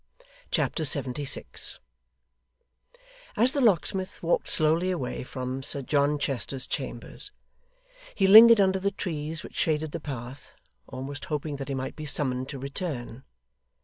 Chapter 76 As the locksmith walked slowly away from Sir John Chester's chambers, he lingered under the trees which shaded the path, almost hoping that he might be summoned to return.